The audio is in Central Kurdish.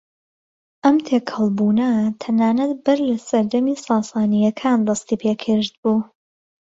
ئەم تێكەڵبوونە تەنانەت بەر لە سەردەمی ساسانیەكان دەستی پێكردبوو